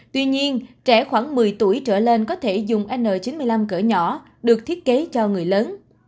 tuy nhiên trẻ khoảng một mươi tuổi trở lên có thể dùng n chín mươi năm cỡ nhỏ được thiết kế cho người lớn